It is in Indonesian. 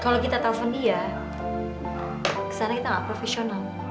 kalau kita telfon dia kesana kita nggak profesional